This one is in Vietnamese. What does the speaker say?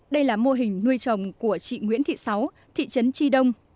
đây là mô hình nuôi chồng của chị nguyễn thị sáu thị trấn tri đông